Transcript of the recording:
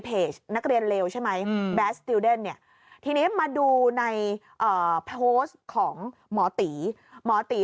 เพจนักเรียนเลวใช่ไหมเนี่ยทีนี้มาดูในของหมอตีหมอตี